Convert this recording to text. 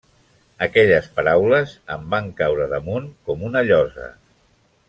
Aquelles paraules em van caure damunt com una llosa.